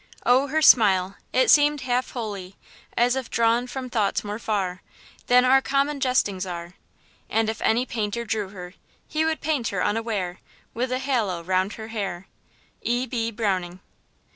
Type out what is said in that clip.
Oh, her smile, it seemed half holy, As if drawn from thoughts more far, Than our common jestings are. And, if any painter drew her, He would paint her unaware With a hallow round her hair. E. B. BROWNING.